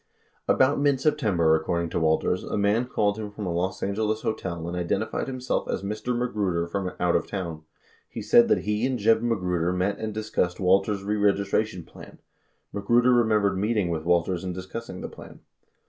About mid September, according to Walters, a man called him from a Los Angeles hotel and identified himself as Mr. Magruder from "out of town." He said that he and Jeb Magruder met and dis cussed Walters' reregistration plan. Magruder remembered meeting with Walters and discussing the plan.